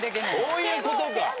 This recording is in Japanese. そういうことか。